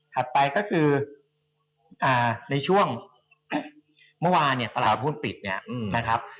ไปก็คือในช่วงเมื่อวานเนี่ยตลาดหุ้นปิดเนี่ยนะครับ